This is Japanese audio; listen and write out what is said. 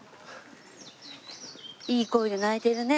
いい声で鳴いてるね。